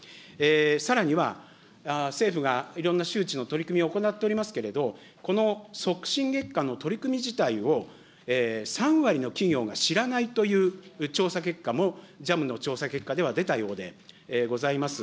さらには、政府がいろんな周知の取り組みを行っておりますけれども、この促進月間の取り組み自体を、３割の企業が知らないという調査結果も、ジャムの調査結果では出たようでございます。